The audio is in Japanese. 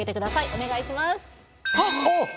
お願いしますあっ！